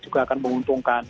juga akan menguntungkan